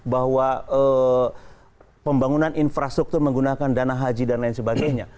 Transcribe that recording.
bahwa pembangunan infrastruktur menggunakan dana haji dan lain sebagainya